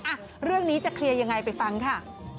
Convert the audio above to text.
อ่ะเรื่องนี้จะเคลียร์ยังไงไปฟังค่ะ